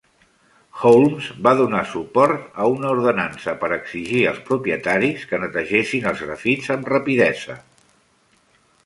Holmes va donar suport a una ordenança per exigir als propietaris que netegessin els grafits amb rapidesa.